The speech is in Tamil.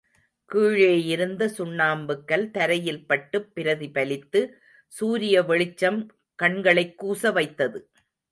கீழேயிருந்த சுண்ணாம்புக்கல் தரையில்பட்டுப் பிரதிபலித்து சூரிய வெளிச்சம் கண்களைக் கூச வைத்தது.